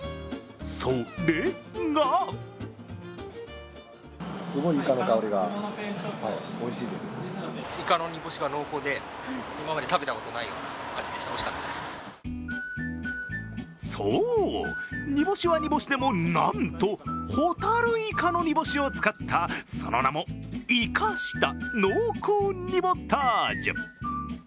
それがそう、煮干しは煮干しでも、なんとホタルイカの煮干しを使ったその名もイカした濃厚ニボタージュ。